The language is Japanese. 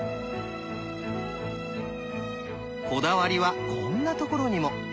こだわりはこんなところにも。